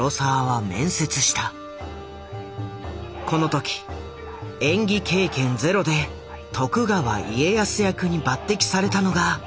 この時演技経験ゼロで徳川家康役に抜てきされたのがこの男だ。